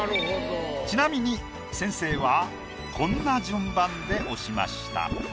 ちなみに先生はこんな順番で押しました。